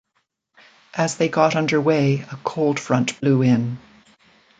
As they got underway, a cold front blew in.